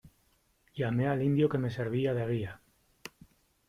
llamé al indio que me servía de guía.